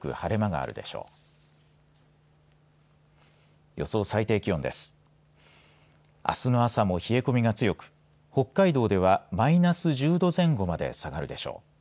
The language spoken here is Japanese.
あすの朝も冷え込みが強く北海道ではマイナス１０度前後まで下がるでしょう。